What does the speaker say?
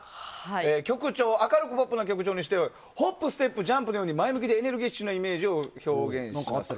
曲調、明るくポップな曲調にしてホップステップジャンプのように前向きでエネルギッシュなイメージを表現します。